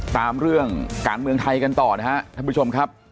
ตามเรื่องการเมืองไทยกันต่อนะครับท่านผู้ชมครับ